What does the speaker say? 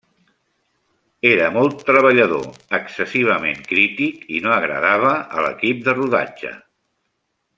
Era molt treballador, excessivament crític i no agradava a l'equip de rodatge.